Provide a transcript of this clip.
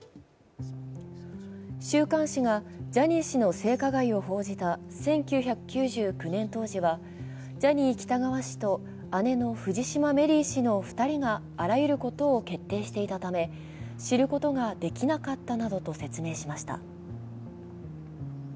週刊誌がジャニー氏の性加害を報じた１９９９年当時はジャニー喜多川氏と姉の藤島メリー氏の２人があらゆることを決定していたため、知ることができなかったなどと説明しました。